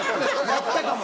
やったかも。